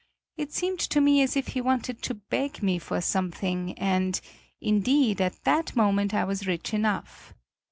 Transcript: It seemed to me as if he wanted to beg me for something and, indeed, at that moment I was rich enough.